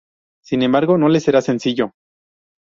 Sin embargo, no le será sencillo.